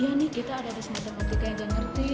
iya nih kita ada ada semata matika yang gak ngerti